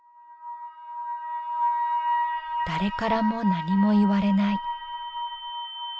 「誰からも何も言われない」。